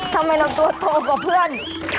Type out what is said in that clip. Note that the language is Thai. ทำไมหน่อยตัวโทษกับเพื่อน